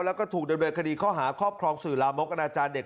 แล้วก็ถูกดำเนินคดีข้อหาครอบครองสื่อลามกอนาจารย์เด็ก